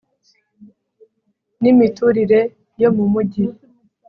N imiturire yo mu mujyi